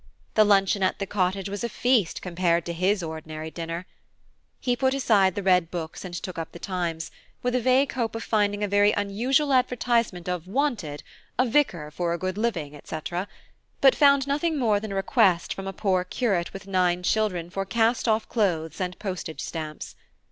The luncheon at the cottage was a feast compared to his ordinary dinner. He put aside the red books and took up the Times, with a vague hope of finding a very unusual advertisement of wanted, A Vicar for a good living, &c., but found nothing more than a request from a poor curate with nine children for cast off clothes and postage stamps.